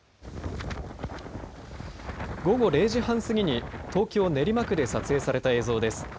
午後０時半過ぎに東京練馬区で撮影された映像です。